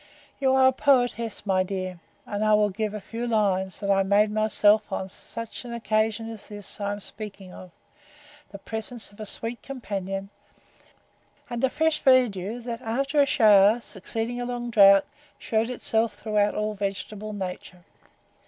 You are a poetess, my dear; and I will give you a few lines, that I made myself on such an occasion as this I am speaking of, the presence of a sweet companion, and the fresh verdure, that, after a shower, succeeding a long drought, shewed itself throughout all vegetable nature.